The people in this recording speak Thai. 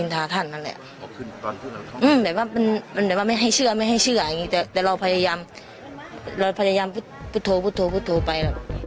ตอนต่อไป